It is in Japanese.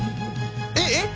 「えっえっ？」